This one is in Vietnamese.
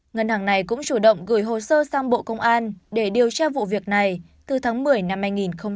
ngân hàng này cũng chủ động gửi hồ sơ sang bộ công an để điều tra vụ việc này từ tháng một mươi năm hai nghìn hai mươi ba